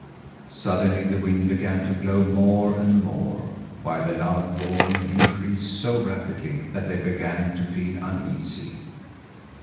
Suddenly the wind began to blow more and more, while the loud roaring increased so rapidly that they began to feel uneasy.